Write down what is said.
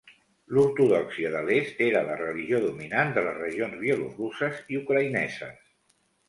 L'Ortodòxia de l'est era la religió dominant de les regions bielorusses i ucraïneses.